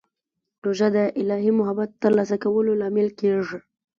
روژه د الهي محبت ترلاسه کولو لامل کېږي.